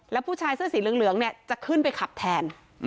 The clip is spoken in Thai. แล้วผู้ชายเสื้อสีเหลืองเนี่ยจะขึ้นไปขับแทน